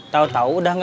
tau tau udah gak ada